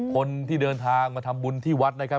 คนที่เดินทางมาทำบุญที่วัดนะครับ